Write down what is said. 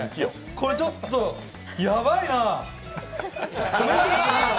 これちょっとやばいな。